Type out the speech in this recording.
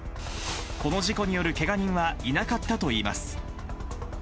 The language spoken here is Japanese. この事故によるけが人はいなかったといいます。